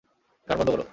গান বন্ধ কর।